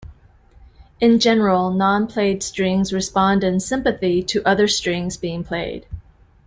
In general, non-played strings respond in sympathy to other strings being played.